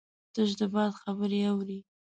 تش د باد خبرې اوري